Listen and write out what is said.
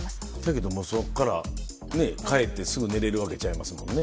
けれどもそっから、帰ってすぐ寝れるわけちゃいますもんね。